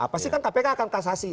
pasti kan kpk akan kasasi